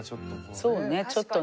そうね